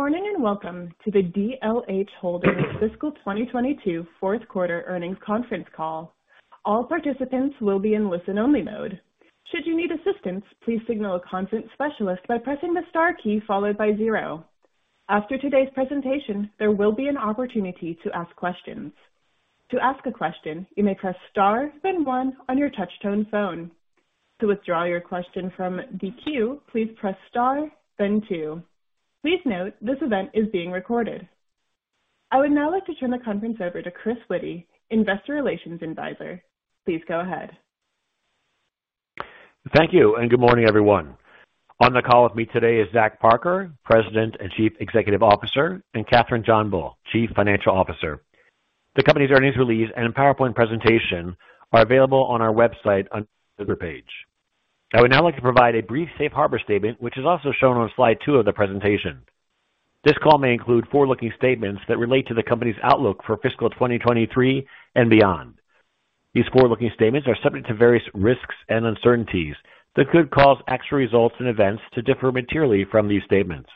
Good morning. Welcome to the DLH Holdings fiscal 2022 Q4 earnings conference call. All participants will be in listen-only mode. Should you need assistance, please signal a conference specialist by pressing the Star key followed by zero. After today's presentation, there will be an opportunity to ask questions. To ask a question, you may press Star then one on your touchtone phone. To withdraw your question from the queue, please press Star then two. Please note, this event is being recorded. I would now like to turn the conference over to Chris Witty, investor relations advisor. Please go ahead. Thank you, good morning, everyone. On the call with me today is Zach Parker, President and Chief Executive Officer, and Kathryn JohnBull, Chief Financial Officer. The company's earnings release and PowerPoint presentation are available on our website under the investor page. I would now like to provide a brief safe harbor statement, which is also shown on slide two of the presentation. This call may include forward-looking statements that relate to the company's outlook for fiscal 2023 and beyond. These forward-looking statements are subject to various risks and uncertainties that could cause actual results and events to differ materially from these statements.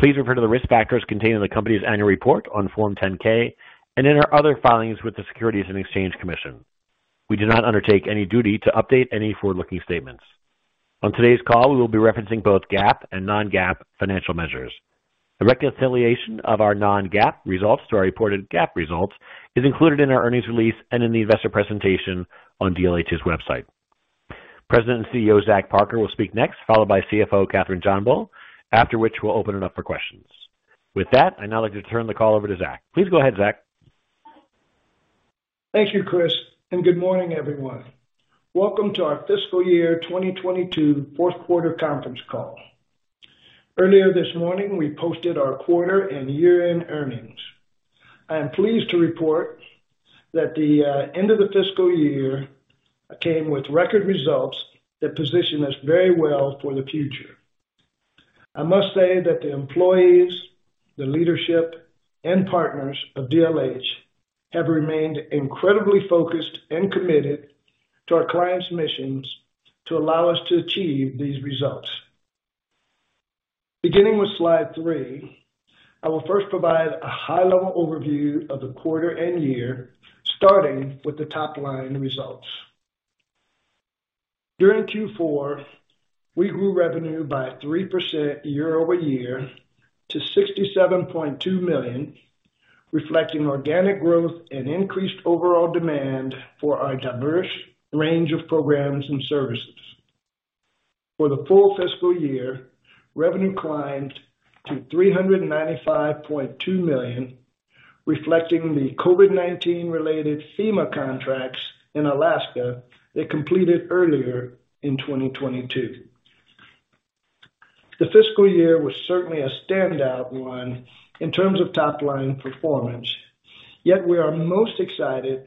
Please refer to the risk factors contained in the company's annual report on Form 10-K and in our other filings with the Securities and Exchange Commission. We do not undertake any duty to update any forward-looking statements. On today's call, we will be referencing both GAAP and non-GAAP financial measures. The reconciliation of our non-GAAP results to our reported GAAP results is included in our earnings release and in the investor presentation on DLH's website. President and CEO Zach Parker will speak next, followed by CFO Kathryn JohnBull, after which we'll open it up for questions. With that, I'd now like to turn the call over to Zach. Please go ahead, Zach. Thank you, Chris, and good morning, everyone. Welcome to our fiscal year 2022 Q4 conference call. Earlier this morning, we posted our quarter and year-end earnings. I am pleased to report that the end of the fiscal year came with record results that position us very well for the future. I must say that the employees, the leadership, and partners of DLH have remained incredibly focused and committed to our clients' missions to allow us to achieve these results. Beginning with slide 3, I will first provide a high-level overview of the quarter and year, starting with the top-line results. During Q4, we grew revenue by 3% year-over-year to $67.2 million, reflecting organic growth and increased overall demand for our diverse range of programs and services. For the full fiscal year, revenue climbed to $395.2 million, reflecting the COVID-19 related FEMA contracts in Alaska that completed earlier in 2022. The fiscal year was certainly a standout one in terms of top-line performance. We are most excited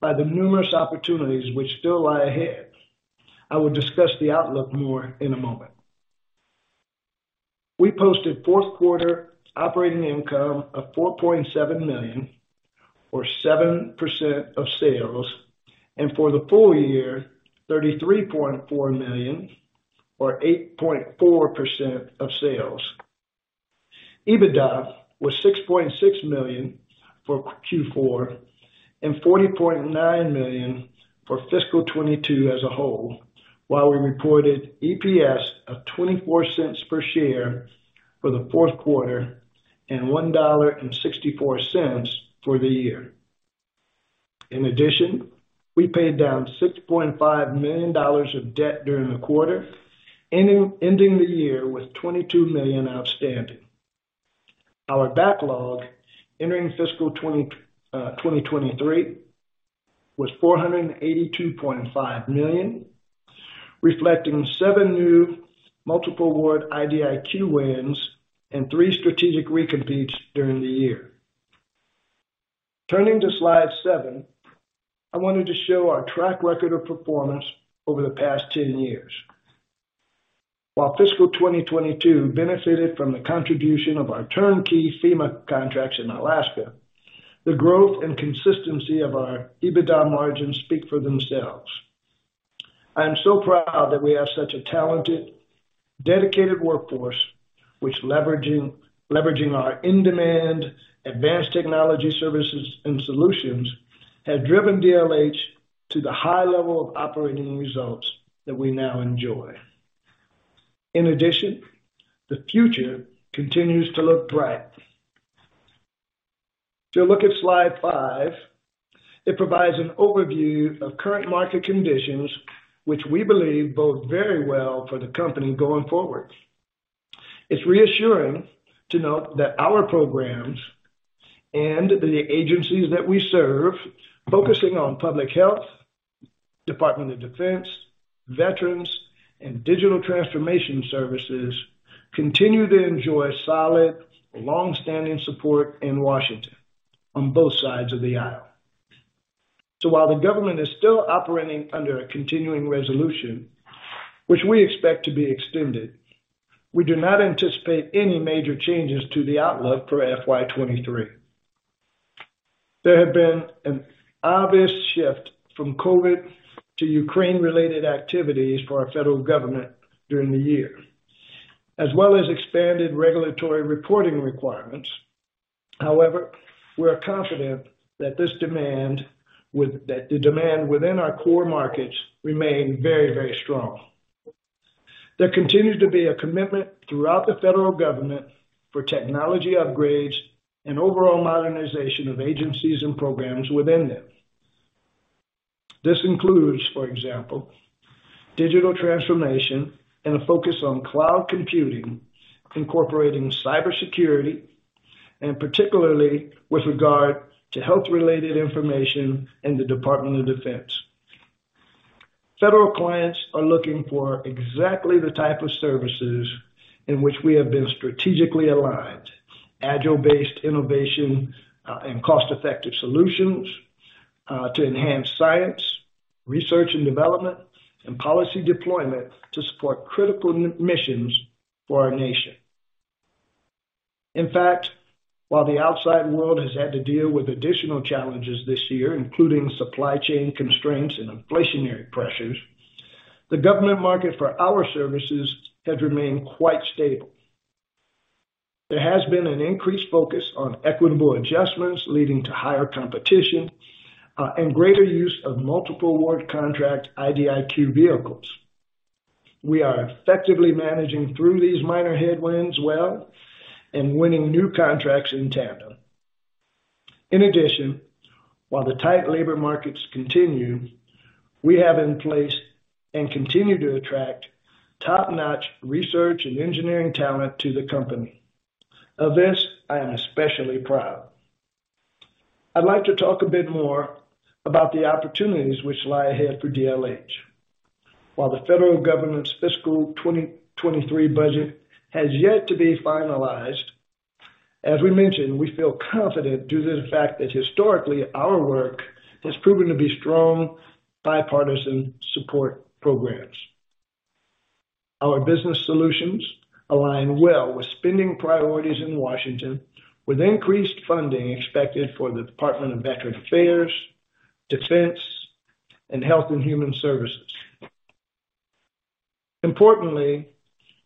by the numerous opportunities which still lie ahead. I will discuss the outlook more in a moment. We posted Q4 operating income of $4.7 million or 7% of sales. For the full year, $33.4 million or 8.4% of sales. EBITDA was $6.6 million for Q4 and $40.9 million for fiscal 2022 as a whole, while we reported EPS of $0.24 per share for the Q4 and $1.64 for the year. We paid down $6.5 million of debt during the quarter, ending the year with $22 million outstanding. Our backlog entering fiscal 2023 was $482.5 million, reflecting seven new multiple award IDIQ wins and three strategic recompetes during the year. Turning to slide 7, I wanted to show our track record of performance over the past 10 years. While fiscal 2022 benefited from the contribution of our turnkey FEMA contracts in Alaska, the growth and consistency of our EBITDA margins speak for themselves. I am so proud that we have such a talented, dedicated workforce which leveraging our in-demand advanced technology services and solutions, have driven DLH to the high level of operating results that we now enjoy. The future continues to look bright. If you look at slide 5, it provides an overview of current market conditions, which we believe bode very well for the company going forward. It's reassuring to note that our programs and the agencies that we serve, focusing on public health, Department of Defense, veterans, and digital transformation services, continue to enjoy solid, long-standing support in Washington on both sides of the aisle. While the government is still operating under a continuing resolution, which we expect to be extended, we do not anticipate any major changes to the outlook for FY 2023. There have been an obvious shift from COVID to Ukraine related activities for our federal government during the year, as well as expanded regulatory reporting requirements. However, we are confident that the demand within our core markets remain very, very strong. There continues to be a commitment throughout the federal government for technology upgrades and overall modernization of agencies and programs within them. This includes, for example, digital transformation and a focus on cloud computing, incorporating cybersecurity, and particularly with regard to health-related information in the Department of Defense. Federal clients are looking for exactly the type of services in which we have been strategically aligned. Agile-based innovation and cost-effective solutions to enhance science, research and development, and policy deployment to support critical missions for our nation. While the outside world has had to deal with additional challenges this year, including supply chain constraints and inflationary pressures, the government market for our services has remained quite stable. There has been an increased focus on equitable adjustments leading to higher competition and greater use of multiple award contract IDIQ vehicles. We are effectively managing through these minor headwinds well and winning new contracts in tandem. In addition, while the tight labor markets continue, we have in place and continue to attract top-notch research and engineering talent to the company. Of this, I am especially proud. I'd like to talk a bit more about the opportunities which lie ahead for DLH. While the federal government's fiscal 2023 budget has yet to be finalized, as we mentioned, we feel confident due to the fact that historically our work has proven to be strong bipartisan support programs. Our business solutions align well with spending priorities in Washington, with increased funding expected for the Department of Veterans Affairs, Defense, and Health and Human Services. Importantly,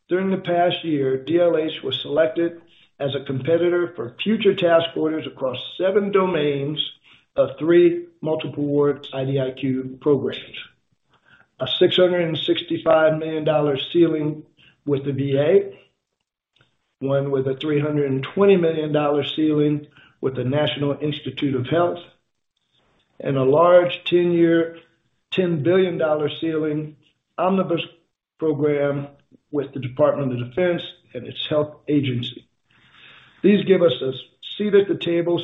during the past year, DLH was selected as a competitor for future task orders across seven domains of three multiple award IDIQ programs. A $665 million ceiling with the VA, one with a $320 million ceiling with the National Institutes of Health, and a large 10-year, $10 billion ceiling Omnibus program with the Department of Defense and its Defense Health Agency. These give us a seat at the table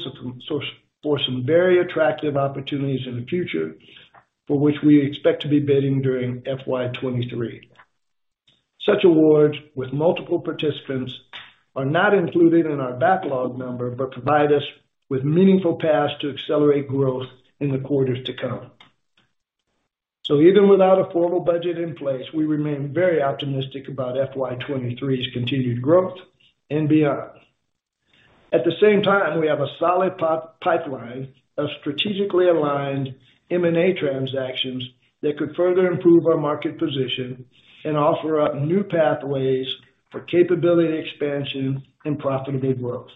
for some very attractive opportunities in the future, for which we expect to be bidding during FY 2023. Such awards with multiple participants are not included in our backlog number, but provide us with meaningful paths to accelerate growth in the quarters to come. Even without a formal budget in place, we remain very optimistic about FY 2023's continued growth and beyond. At the same time, we have a solid pipeline of strategically aligned M&A transactions that could further improve our market position and offer up new pathways for capability expansion and profitable growth.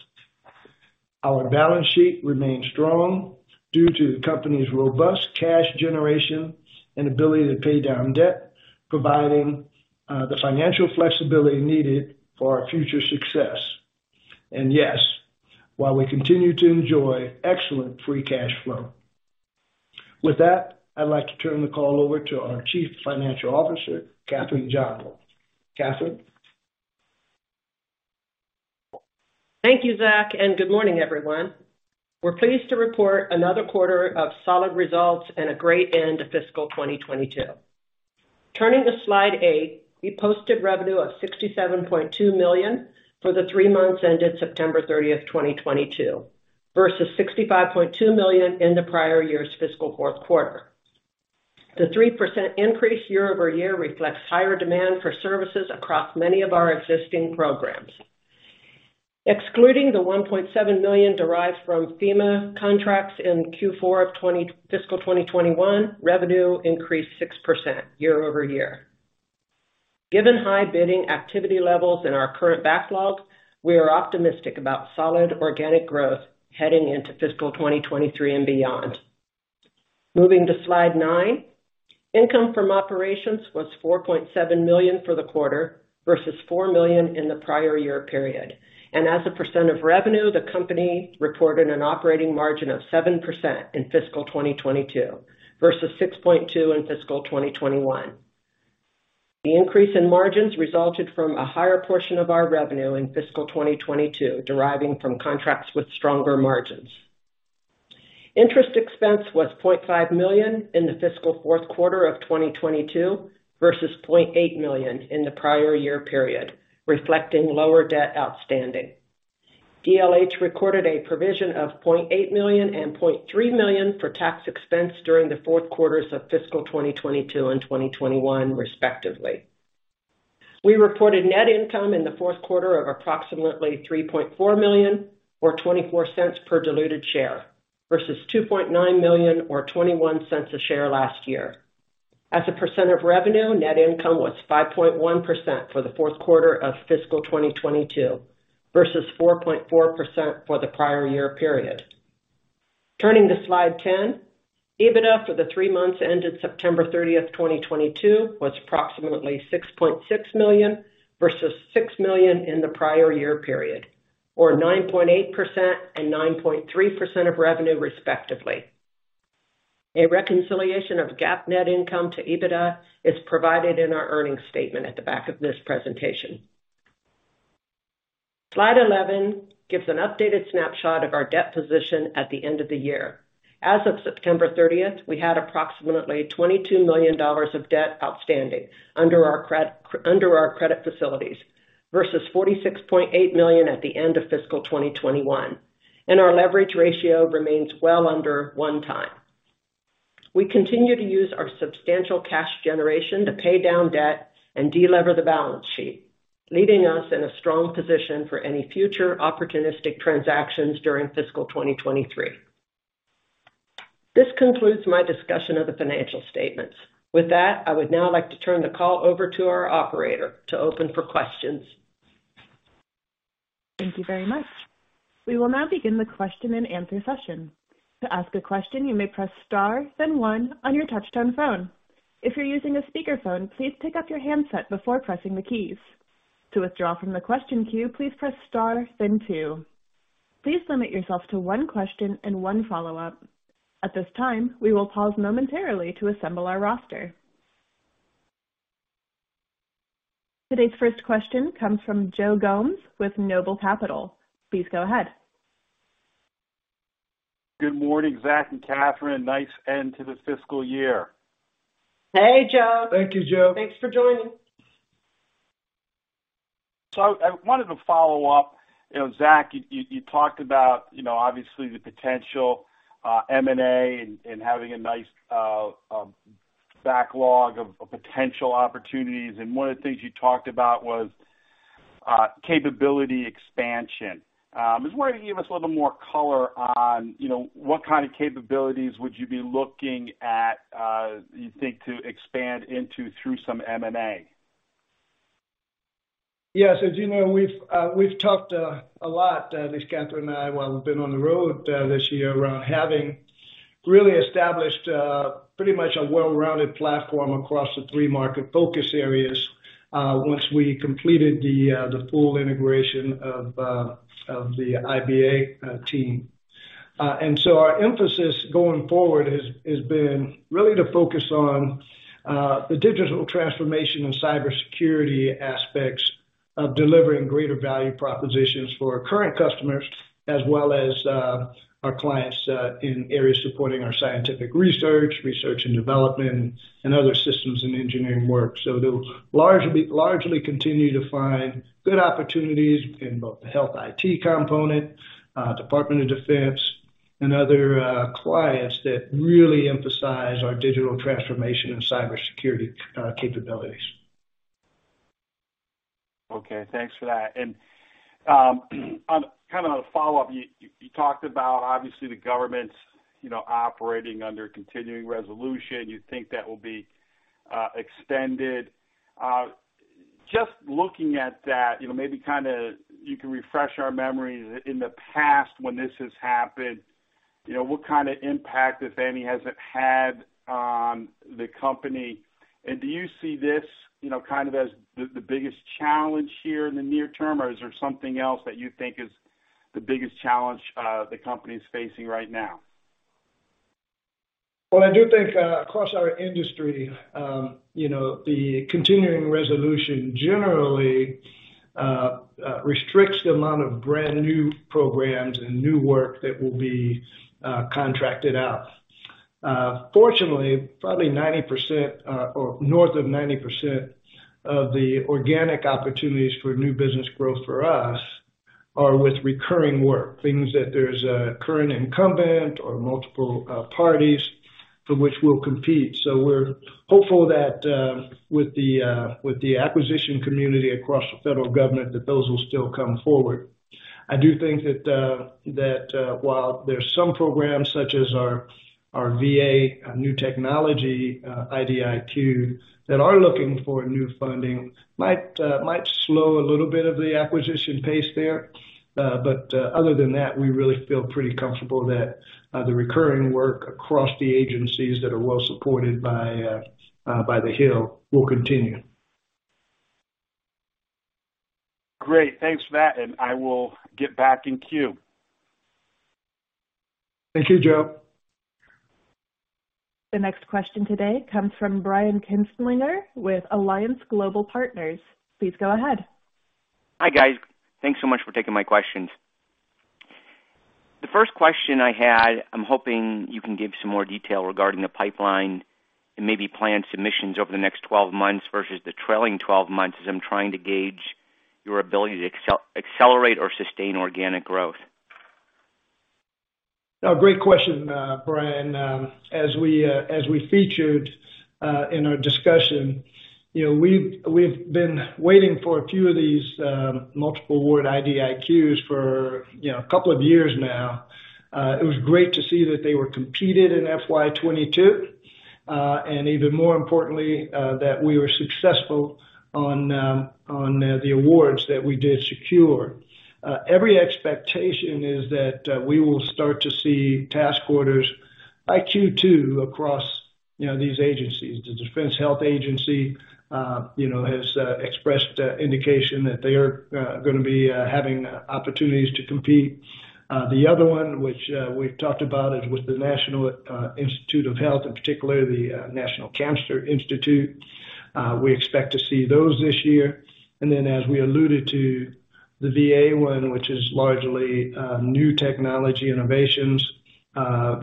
Our balance sheet remains strong due to the company's robust cash generation and ability to pay down debt, providing the financial flexibility needed for our future success. Yes, while we continue to enjoy excellent free cash flow. With that, I'd like to turn the call over to our Chief Financial Officer, Kathryn JohnBull. Kathryn? Thank you, Zach. Good morning, everyone. We're pleased to report another quarter of solid results and a great end to fiscal 2022. Turning to slide 8. We posted revenue of $67.2 million for the three months ended September 30th, 2022, versus $65.2 million in the prior year's fiscal Q4. The 3% increase year-over-year reflects higher demand for services across many of our existing programs. Excluding the $1.7 million derived from FEMA contracts in Q4 of fiscal 2021, revenue increased 6% year-over-year. Given high bidding activity levels in our current backlog, we are optimistic about solid organic growth heading into fiscal 2023 and beyond. Moving to slide 9. Income from operations was $4.7 million for the quarter versus $4 million in the prior year period. As a percent of revenue, the company reported an operating margin of 7% in fiscal 2022 versus 6.2% in fiscal 2021. The increase in margins resulted from a higher portion of our revenue in fiscal 2022 deriving from contracts with stronger margins. Interest expense was $0.5 million in the fiscal Q4 of 2022 versus $0.8 million in the prior year period, reflecting lower debt outstanding. DLH recorded a provision of $0.8 million and $0.3 million for tax expense during the Q4s of fiscal 2022 and 2021, respectively. We reported net income in the Q4 of approximately $3.4 million or $0.24 per diluted share, versus $2.9 million or $0.21 a share last year. As a percent of revenue, net income was 5.1% for the Q4 of fiscal 2022 versus 4.4% for the prior year period. Turning to slide 10, EBITDA for the three months ended September 30, 2022 was approximately $6.6 million versus $6 million in the prior year period, or 9.8% and 9.3% of revenue, respectively. A reconciliation of GAAP net income to EBITDA is provided in our earnings statement at the back of this presentation. Slide 11 gives an updated snapshot of our debt position at the end of the year. As of September 30, we had approximately $22 million of debt outstanding under our credit facilities, versus $46.8 million at the end of fiscal 2021. Our leverage ratio remains well under 1x. We continue to use our substantial cash generation to pay down debt and de-lever the balance sheet, leaving us in a strong position for any future opportunistic transactions during fiscal 2023. This concludes my discussion of the financial statements. With that, I would now like to turn the call over to our operator to open for questions. Thank you very much. We will now begin the question and answer session. To ask a question, you may press Star then one on your touchtone phone. If you're using a speakerphone, please pick up your handset before pressing the keys. To withdraw from the question queue, please press star then two. Please limit yourself to one question and one follow-up. At this time, we will pause momentarily to assemble our roster. Today's first question comes from Joe Gomes with Noble Capital. Please go ahead. Good morning, Zach and Kathryn. Nice end to the fiscal year. Hey, Joe. Thank you, Joe. Thanks for joining. I wanted to follow up. You know, Zach, you talked about, you know, obviously the potential M&A and having a nice backlog of potential opportunities. One of the things you talked about was capability expansion. I was wondering if you give us a little more color on, you know, what kind of capabilities would you be looking at, you think to expand into through some M&A? Yes. As you know, we've talked a lot, at least Kathryn and I, while we've been on the road this year, around having really established pretty much a well-rounded platform across the three market focus areas, once we completed the full integration of the IBA team. Our emphasis going forward has been really to focus on the digital transformation and cybersecurity aspects of delivering greater value propositions for our current customers, as well as our clients, in areas supporting our scientific research and development, and other systems and engineering work. They'll largely continue to find good opportunities in both the health IT component, Department of Defense and other clients that really emphasize our digital transformation and cybersecurity capabilities. Okay. Thanks for that. On kind of a follow-up, you talked about obviously the government's, you know, operating under continuing resolution. You think that will be extended. Just looking at that, you know, maybe kind of you can refresh our memory. In the past when this has happened, you know, what kind of impact, if any, has it had on the company? Do you see this, you know, kind of as the biggest challenge here in the near term, or is there something else that you think is the biggest challenge the company is facing right now? Well, I do think, across our industry, you know, the continuing resolution generally restricts the amount of brand-new programs and new work that will be contracted out. Fortunately, probably 90% or north of 90% of the organic opportunities for new business growth for us are with recurring work. Things that there's a current incumbent or multiple parties for which we'll compete. We're hopeful that with the acquisition community across the federal government that those will still come forward. I do think that while there's some programs such as our VA new technology IDIQ that are looking for new funding might slow a little bit of the acquisition pace there. Other than that, we really feel pretty comfortable that, the recurring work across the agencies that are well supported by the Hill will continue. Great. Thanks for that. I will get back in queue. Thank you, Joe. The next question today comes from Brian Kinstlinger with Alliance Global Partners. Please go ahead. Hi, guys. Thanks so much for taking my questions. The first question I had, I'm hoping you can give some more detail regarding the pipeline and maybe planned submissions over the next 12 months versus the trailing 12 months, as I'm trying to gauge your ability to accelerate or sustain organic growth. Great question, Brian. As we featured in our discussion, you know, we've been waiting for a few of these multiple award IDIQs for, you know, a couple of years now. It was great to see that they were competed in FY 2022. Even more importantly, that we were successful on the awards that we did secure. Every expectation is that we will start to see task orders in Q2 across, you know, these agencies. The Defense Health Agency, you know, has expressed indication that they are gonna be having opportunities to compete. The other one which we've talked about is with the National Institutes of Health and particularly the National Cancer Institute. We expect to see those this year. As we alluded to the VA one, which is largely new technology innovations,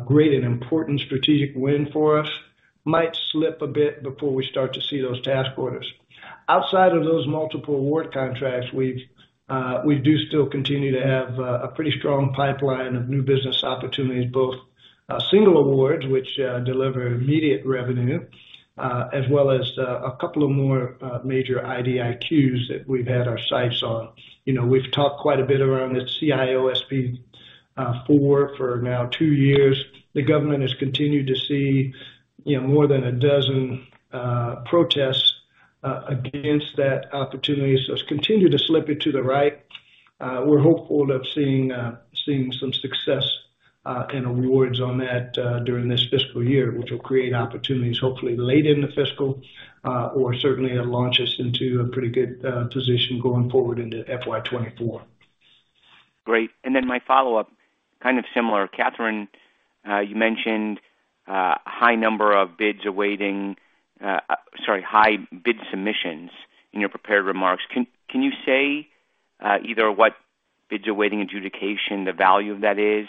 great and important strategic win for us, might slip a bit before we start to see those task orders. Outside of those multiple award contracts, we do still continue to have a pretty strong pipeline of new business opportunities, both single awards which deliver immediate revenue, as well as a couple of more major IDIQs that we've had our sights on. You know, we've talked quite a bit around the CIO-SP4 for now two years. The government has continued to see, more than a dozen protests against that opportunity. It's continued to slip it to the right. We're hopeful of seeing some success, and awards on that, during this fiscal year, which will create opportunities hopefully late in the fiscal, or certainly it launches into a pretty good, position going forward into FY 2024. Great. My follow-up, kind of similar. Kathryn, you mentioned high number of bids awaiting, sorry, high bid submissions in your prepared remarks. Can you say either what bids awaiting adjudication, the value of that is?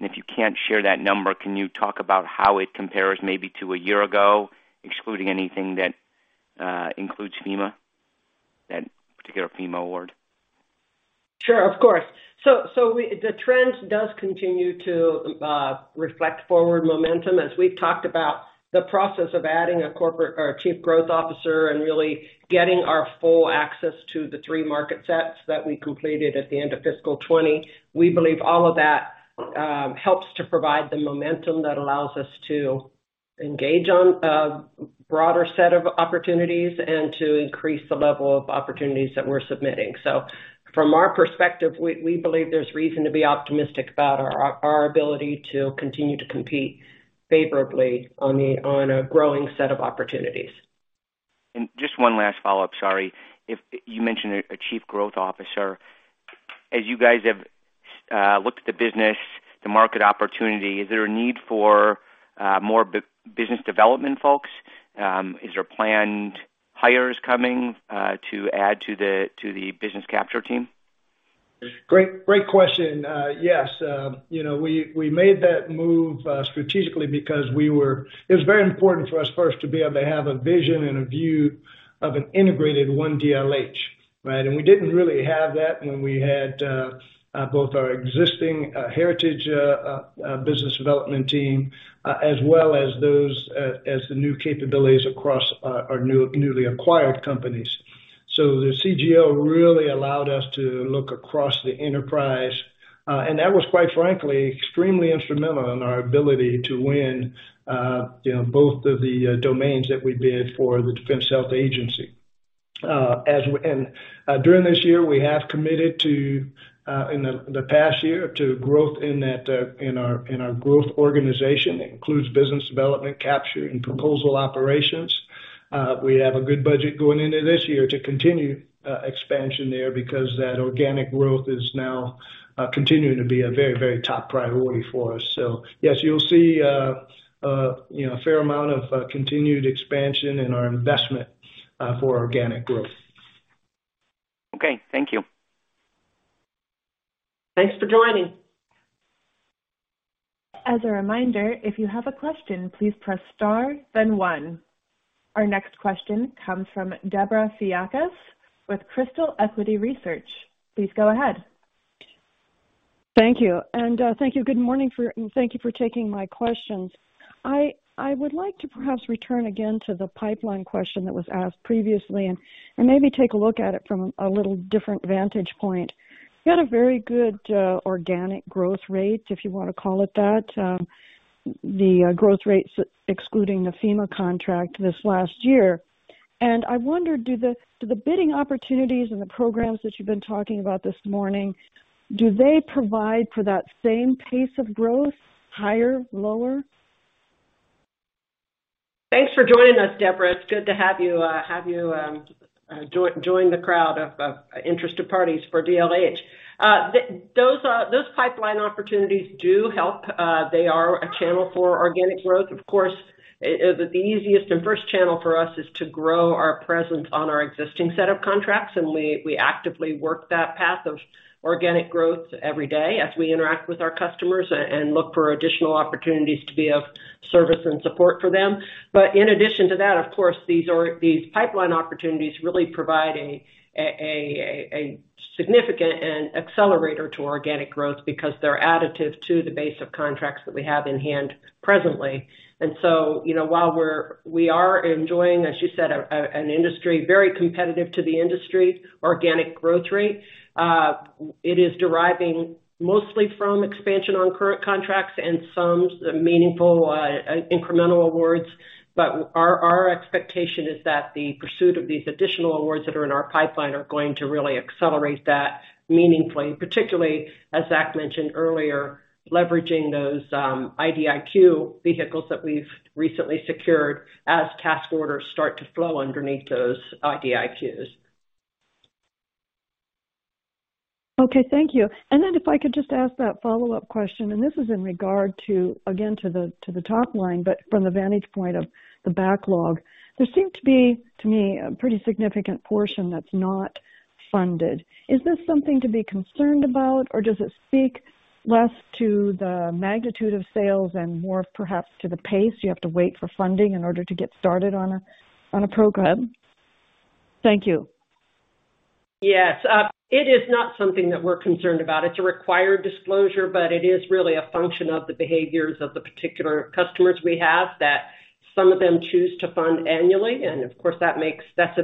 If you can't share that number, can you talk about how it compares maybe to a year ago, excluding anything that includes FEMA, that particular FEMA award? Sure, of course. The trend does continue to reflect forward momentum. As we've talked about the process of adding a corporate or Chief Growth Officer and really getting our full access to the three market sets that we completed at the end of fiscal 2020. We believe all of that helps to provide the momentum that allows us to engage on a broader set of opportunities and to increase the level of opportunities that we're submitting. From our perspective, we believe there's reason to be optimistic about our ability to continue to compete favorably on a growing set of opportunities. Just one last follow-up. Sorry. You mentioned a Chief Growth Officer. As you guys have looked at the business, the market opportunity, is there a need for more business development folks? Is there planned hires coming to add to the business capture team? Great. Great question. Yes, you know, we made that move strategically because it was very important for us first to be able to have a vision and a view of an integrated one DLH, right? We didn't really have that when we had both our existing heritage business development team as well as those as the new capabilities across our new, newly acquired companies. The CGO really allowed us to look across the enterprise. That was, quite frankly, extremely instrumental in our ability to win, you know, both of the domains that we bid for the Defense Health Agency. During this year, we have committed to in the past year to growth in that in our growth organization. It includes business development, capture, and proposal operations. We have a good budget going into this year to continue expansion there because that organic growth is now continuing to be a very, very top priority for us. Yes, you'll see, you know, a fair amount of continued expansion in our investment for organic growth. Okay. Thank you. Thanks for joining. As a reminder, if you have a question, please press star then one. Our next question comes from Debra Fiakas with Crystal Equity Research. Please go ahead. Thank you. Good morning, thank you for taking my questions. I would like to perhaps return again to the pipeline question that was asked previously and maybe take a look at it from a little different vantage point. You had a very good organic growth rate, if you wanna call it that. The growth rates excluding the FEMA contract this last year. I wonder, do the bidding opportunities and the programs that you've been talking about this morning, do they provide for that same pace of growth, higher, lower? Thanks for joining us, Debra. It's good to have you, have you, join the crowd of interested parties for DLH. Those pipeline opportunities do help. They are a channel for organic growth. Of course, the easiest and first channel for us is to grow our presence on our existing set of contracts, and we actively work that path of organic growth every day as we interact with our customers and look for additional opportunities to be of service and support for them. In addition to that, of course, these pipeline opportunities really provide a significant and accelerator to organic growth because they're additive to the base of contracts that we have in hand presently. You know, while we are enjoying, as you said, an industry very competitive to the industry, organic growth rate, it is deriving mostly from expansion on current contracts and some meaningful incremental awards. Our expectation is that the pursuit of these additional awards that are in our pipeline are going to really accelerate that meaningfully, particularly, as Zach mentioned earlier, leveraging those IDIQ vehicles that we've recently secured as task orders start to flow underneath those IDIQs. Okay. Thank you. If I could just ask that follow-up question, and this is in regard to, again, to the top line, but from the vantage point of the backlog. There seemed to be, to me, a pretty significant portion that's not funded. Is this something to be concerned about or does it speak less to the magnitude of sales and more perhaps to the pace you have to wait for funding in order to get started on a program? Thank you. Yes. It is not something that we're concerned about. It's a required disclosure. It is really a function of the behaviors of the particular customers we have that some of them choose to fund annually, and of course, That's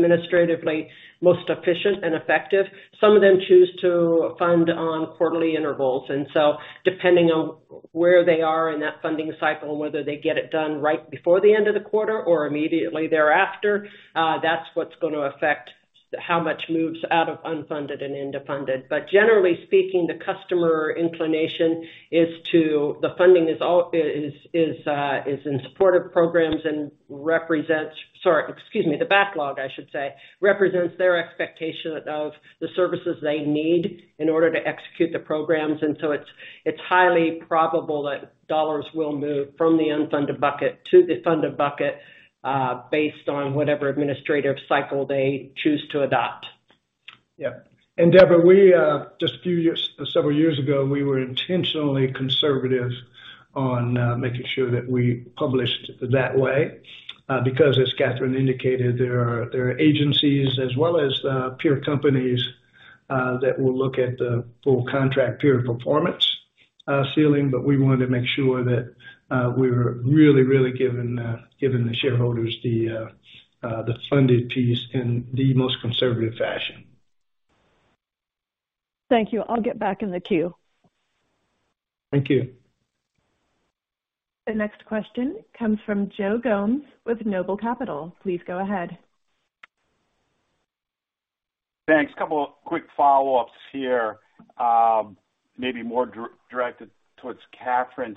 administratively most efficient and effective. Some of them choose to fund on quarterly intervals. Depending on where they are in that funding cycle, whether they get it done right before the end of the quarter or immediately thereafter, that's what's gonna affect how much moves out of unfunded and into funded. Generally speaking, the customer inclination is in support of programs and represents the backlog, I should say, represents their expectation of the services they need in order to execute the programs. it's highly probable that dollars will move from the unfunded bucket to the funded bucket, based on whatever administrative cycle they choose to adopt. Yeah. Debra, we just a few years, several years ago, we were intentionally conservative on making sure that we published that way, because as Kathryn indicated, there are agencies as well as peer companies that will look at the full contract period of performance ceiling, but we wanted to make sure that we were really giving the shareholders the funded piece in the most conservative fashion. Thank you. I'll get back in the queue. Thank you. The next question comes from Joe Gomes with Noble Capital. Please go ahead. Thanks. A couple of quick follow-ups here, maybe more directed towards Kathryn.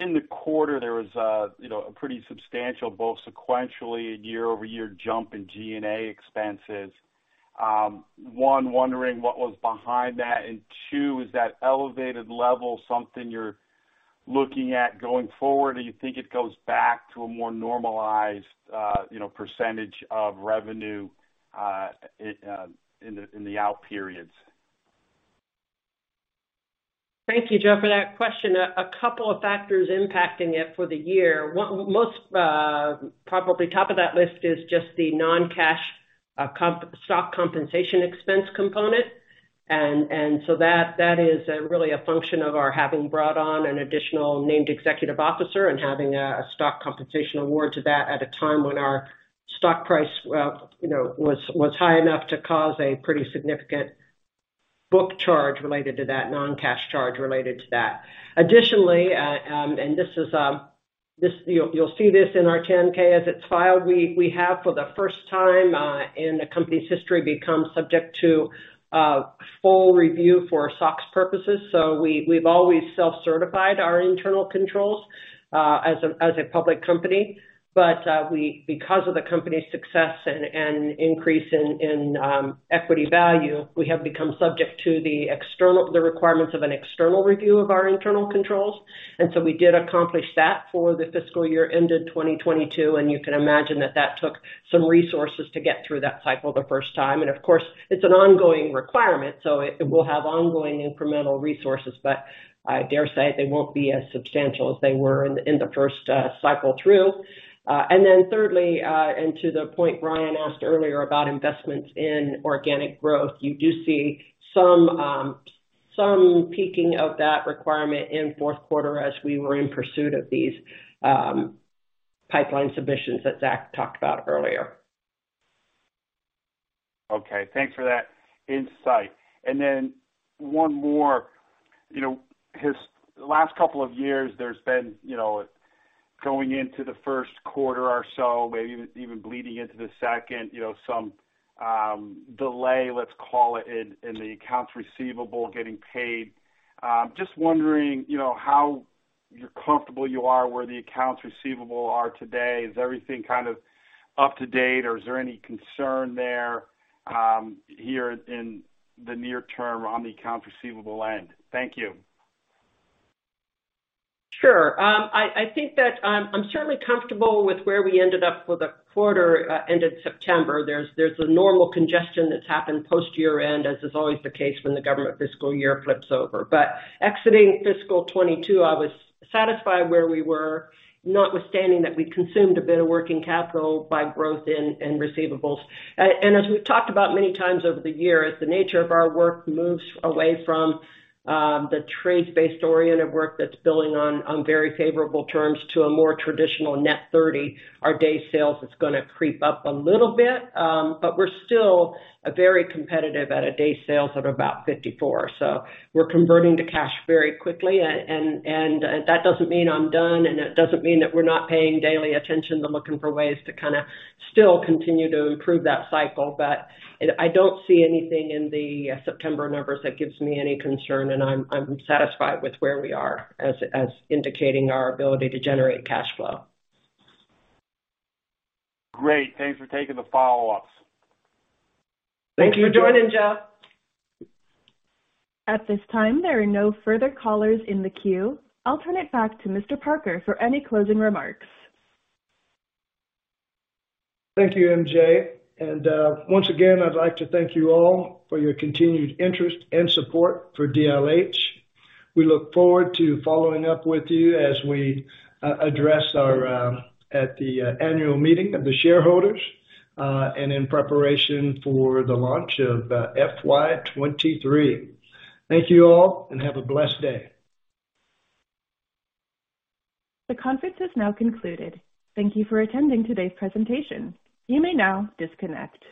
In the quarter, there was a, you know, a pretty substantial both sequentially year-over-year jump in G&A expenses. One, wondering what was behind that? Two, is that elevated level something you're looking at going forward or you think it goes back to a more normalized, you know, percentage of revenue in the out periods? Thank you, Joe, for that question. A couple of factors impacting it for the year. Most probably top of that list is just the non-cash stock compensation expense component. So that is really a function of our having brought on an additional named executive officer and having a stock compensation award to that at a time when our stock price, well, you know, was high enough to cause a pretty significant book charge related to that, non-cash charge related to that. Additionally, this is, you'll see this in our 10-K as it's filed. We have for the first time in the company's history, become subject to full review for SOX purposes. We've always self-certified our internal controls as a public company. Because of the company's success and increase in equity value, we have become subject to the requirements of an external review of our internal controls. We did accomplish that for the fiscal year ended 2022, and you can imagine that that took some resources to get through that cycle the first time. Of course, it's an ongoing requirement, so it will have ongoing incremental resources. I dare say they won't be as substantial as they were in the first cycle through. Thirdly, and to the point Brian asked earlier about investments in organic growth, you do see some peaking of that requirement in Q4 as we were in pursuit of these pipeline submissions that Zach talked about earlier. Okay. Thanks for that insight. One more. You know, last couple of years, there's been, you know, going into the Q1 or so, maybe even bleeding into the second, you know, some delay, let's call it, in the accounts receivable getting paid. Just wondering, you know, how you're comfortable you are where the accounts receivable are today. Is everything kind of up to date, or is there any concern there, here in the near term on the accounts receivable end? Thank you. Sure. I think that I'm certainly comfortable with where we ended up for the quarter, end of September. There's a normal congestion that's happened post-year-end, as is always the case when the government fiscal year flips over. Exiting fiscal 2022, I was satisfied where we were, notwithstanding that we consumed a bit of working capital by growth in receivables. As we've talked about many times over the years, the nature of our work moves away from the trades-based oriented work that's billing on very favorable terms to a more traditional net 30. Our day sales is gonna creep up a little bit, but we're still very competitive at a day sales of about 54. We're converting to cash very quickly. That doesn't mean I'm done, and it doesn't mean that we're not paying daily attention to looking for ways to kind of still continue to improve that cycle. I don't see anything in the September numbers that gives me any concern, and I'm satisfied with where we are as indicating our ability to generate cash flow. Great. Thanks for taking the follow-ups. Thank you for joining, Joe. At this time, there are no further callers in the queue. I'll turn it back to Mr. Parker for any closing remarks. Thank you, MJ. Once again, I'd like to thank you all for your continued interest and support for DLH. We look forward to following up with you as we address our at the annual meeting of the shareholders, and in preparation for the launch of FY 2023. Thank you all, and have a blessed day. The conference has now concluded. Thank you for attending today's presentation. You may now disconnect.